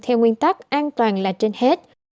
theo nguyên tắc an toàn là trên hết